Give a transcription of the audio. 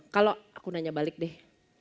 kalau aku nanya balik deh